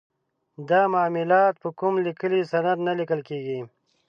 دا معاملات په کوم لیکلي سند نه لیکل کیږي.